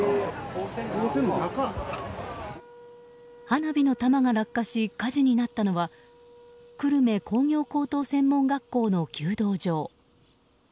花火の玉が落下し火事になったのは久留米工業高等専門学校の弓道場。